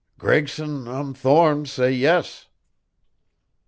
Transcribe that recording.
"Gregson um Thorne say yes."